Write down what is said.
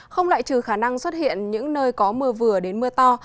không loại trừ khả năng xuất hiện những nơi có mưa vừa đến mưa to